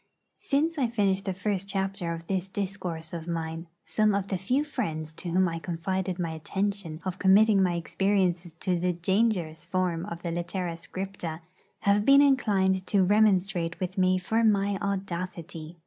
Since I finished the first chapter of this discourse of mine, some of the few friends to whom I confided my intention of committing my experiences to the dangerous form of the litera scripta have been inclined to remonstrate with me for my audacity.